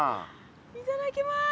いただきます。